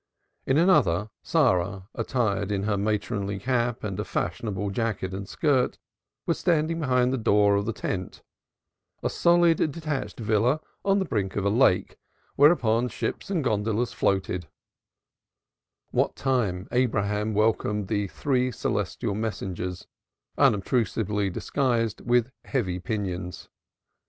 In another, Sarah attired in a matronly cap and a fashionable jacket and skirt, was standing behind the door of the tent, a solid detached villa on the brink of a lake, whereon ships and gondolas floated, what time Abraham welcomed the three celestial messengers, unobtrusively disguised with heavy pinions.